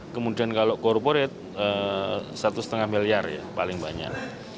kemudian kalau korporat rp satu lima miliar paling banyak